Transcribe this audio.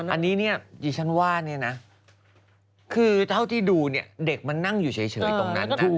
อันนี้เนี่ยดิฉันว่าเนี่ยนะคือเท่าที่ดูเนี่ยเด็กมันนั่งอยู่เฉยตรงนั้นนะ